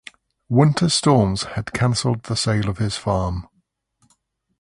Winter storms had cancelled the sale of his farm.